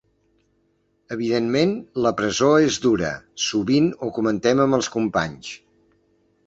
Evidentment, la presó és dura, sovint ho comentem amb els companys.